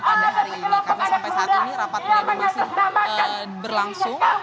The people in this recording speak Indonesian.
karena sampai saat ini rapat penerima masih berlangsung